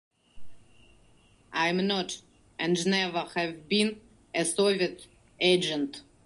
I am not, and never have been, a Soviet agent.